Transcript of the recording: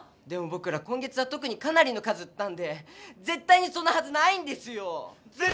でもぼくら今月はとくにかなりの数売ったんでぜったいにそんなはずないんですよ！